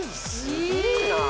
すげえな。